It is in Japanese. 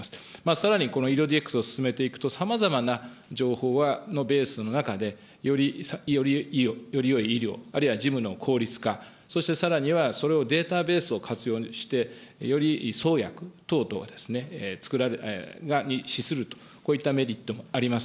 さらにこの医療ＤＸを進めていくと、さまざまな情報のベースの中で、よりよい医療、あるいは事務の効率化、そしてさらには、それをデータベースを活用して、より創薬等々、作られると、資すると、こういったメリットもあります。